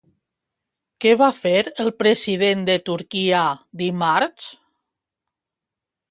Què va fer el president de Turquia dimarts?